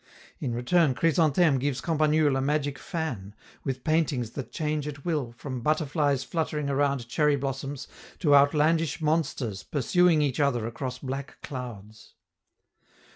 In return, Chrysantheme gives Campanule a magic fan, with paintings that change at will from butterflies fluttering around cherry blossoms to outlandish monsters pursuing each other across black clouds.